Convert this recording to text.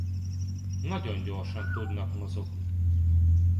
Nagyon gyorsan tudnak mozogni.